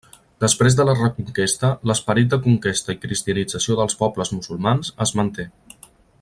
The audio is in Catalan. Després de la Reconquesta, l'esperit de conquesta i cristianització dels pobles musulmans es manté.